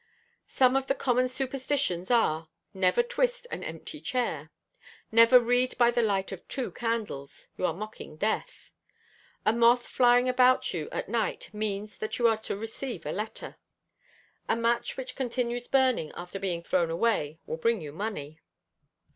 Some of the common superstitions are: never twist an empty chair. Never read by the light of two candles; you are mocking death. A moth flying about you at night means that you are to receive a letter. A match which continues burning after being thrown away will bring you money.